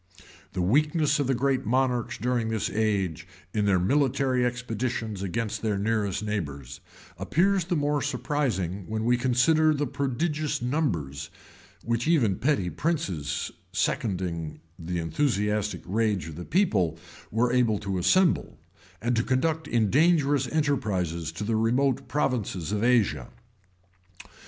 The weakness of the greatest monarchs during this age, in their military expeditions against their nearest neighbors, appears the more surprising, when we consider the prodigious numbers, which even petty princes, seconding the enthusiastic rage of the people, were able to assemble, and to conduct in dangerous enterprises to the remote provinces of Asia.